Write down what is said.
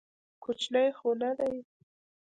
کوچنى خو نه دى.